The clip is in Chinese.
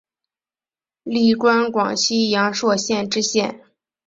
历官广西阳朔县知县。